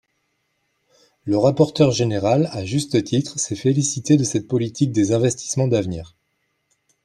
Le rapporteur général, à juste titre, s’est félicité de cette politique des investissements d’avenir.